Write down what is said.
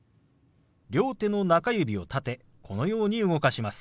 両手の中指を立てこのように動かします。